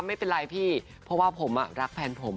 ไม่เป็นไรพี่เพราะว่าผมรักแฟนผม